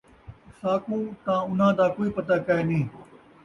اَساکوں تاں انھاں دا کوئی پتہ کائے نھیں،